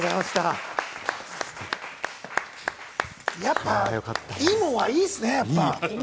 やっぱ、いいものはいいですね。